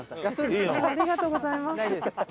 ありがとうございます。